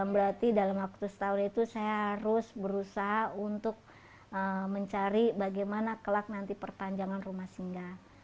berarti dalam waktu setahun itu saya harus berusaha untuk mencari bagaimana kelak nanti perpanjangan rumah singga